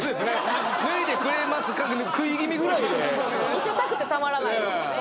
見せたくてたまらないんですね。